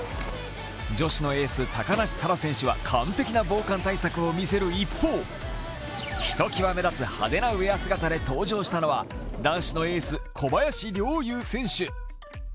女子のエース・高梨沙羅選手は完璧な防寒対策を見せる一方ひときわ目立つ派手なウエア姿で登場したのは、男子のエース・小林陵侑選手。